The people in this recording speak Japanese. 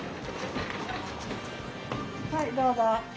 はいどうぞ。